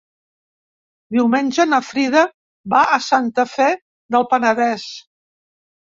Diumenge na Frida va a Santa Fe del Penedès.